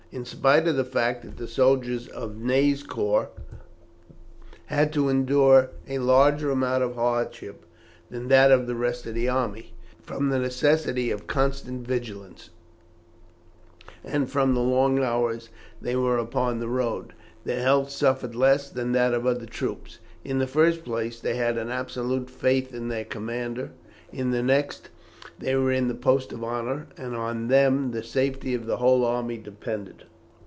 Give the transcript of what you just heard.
In spite of the fact that the soldiers of Ney's corps had to endure a larger amount of hardship than that of the rest of the army, from the necessity of constant vigilance, and from the long hours they were upon the road, their health suffered less than that of other troops. In the first place, they had an absolute faith in their commander; in the next, they were in the post of honour, and on them the safety of the whole army depended.